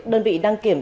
đơn vị đăng kiểm